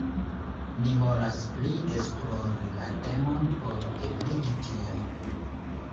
Ni volas pli esplori la temon por ebligi tion.